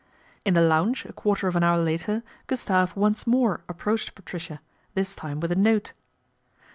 In the lounge a quarter of an hour later, Gustave once more approached Patricia, this time with a note.